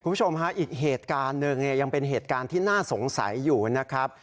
คุณผู้ชมฮะอีกเหตุการณ์หนึ่งเนี่ยยังเป็นเหตุการณ์ที่น่าสงสัยอยู่นะครับ